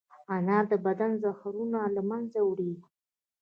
انار د بدن زهرونه له منځه وړي.